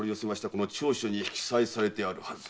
この調書に記載されてあるはず。